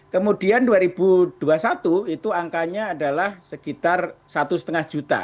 kemudian dua ribu dua puluh satu itu angkanya adalah sekitar satu lima juta